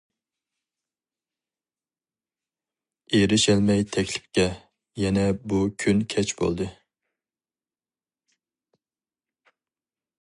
ئېرىشەلمەي تەكلىپكە، يەنە بۇ كۈن كەچ بولدى.